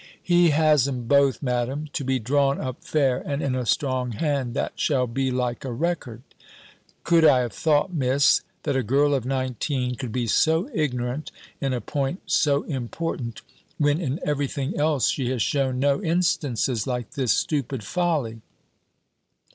"He has 'em both, Madam, to be drawn up fair, and in a strong hand, that shall be like a record." Could I have thought, Miss, that a girl of nineteen could be so ignorant in a point so important, when in every thing else she has shewn no instances like this stupid folly?